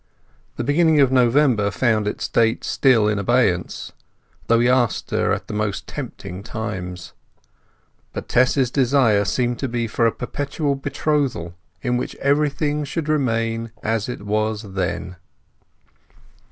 The beginning of November found its date still in abeyance, though he asked her at the most tempting times. But Tess's desire seemed to be for a perpetual betrothal in which everything should remain as it was then.